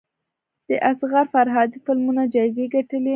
د اصغر فرهادي فلمونه جایزې ګټلي.